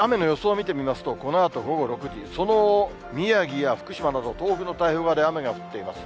雨の予想を見てみますと、このあと午後６時、その宮城や福島など、東北の太平洋側で雨が降っています。